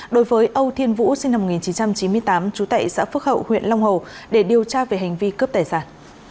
đối với âu thiên vũ sinh năm một nghìn chín trăm chín mươi tám trú tại xã phước hậu huyện long hồ để điều tra về hành vi cướp tài sản